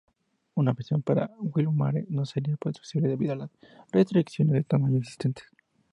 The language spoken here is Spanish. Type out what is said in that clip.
Una versión para WiiWare no sería posible debido a las restricciones de tamaño existentes.